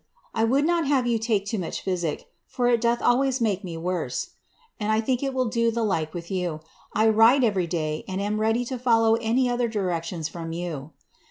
1 would not have you take too much pbisike, for it doth always make me rse; and I tliink it will doe the like with you. I ride every day, and am iy 10 follow any other directions from you.